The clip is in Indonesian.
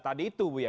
tadi itu buya